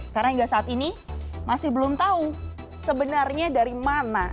karena hingga saat ini masih belum tahu sebenarnya dari mana